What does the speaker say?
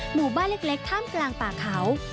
หมู่บ้านเล็กท่ามกลางป่าเขา